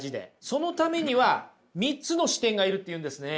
そのためには３つの視点がいるって言うんですね。